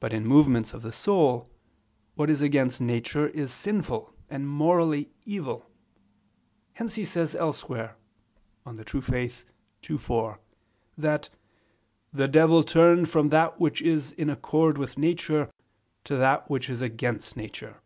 But in movements of the soul, what is against nature is sinful and morally evil: hence he says elsewhere (De Fide Orth. ii, 4) that "the devil turned from that which is in accord with nature to that which is against nature."